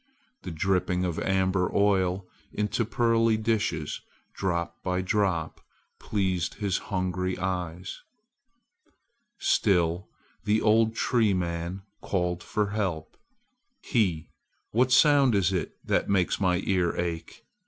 The dripping of amber oil into pearly dishes, drop by drop, pleased his hungry eyes. Still the old tree man called for help. "He! What sound is it that makes my ear ache!"